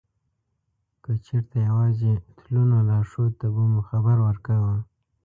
که چېرته یوازې تلو نو لارښود ته به مو خبر ورکاوه.